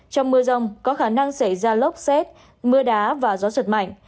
trong mưa rông có khả năng xảy ra lốc xét mưa đá và gió giật mạnh